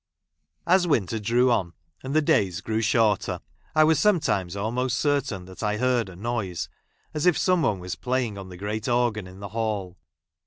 I I As winter drew on, and the days grew j ) shorter, I was sometimes almost certain that i ! I heard a noise as if some one was playing jl on the great organ in the hall.